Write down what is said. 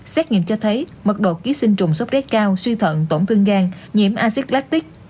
xét nghiệm cho thấy mật độ ký sinh trùng sốt rét cao suy thận tổn thương gan nhiễm axit lactic